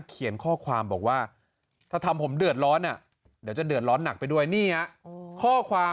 เขียนข้อความบอกว่าถ้าทำผมเดือดร้อนอะ